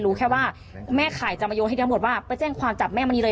รู้แค่ว่าแม่ขายจะมาโยงให้ทั้งหมดว่าไปแจ้งความจับแม่มณีเลย